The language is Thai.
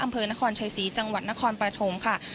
อำเภอนครชัยศรีจังหวัดนครปฐมค่ะ